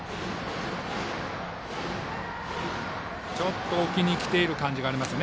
ちょっと置きにきている感じがありますよね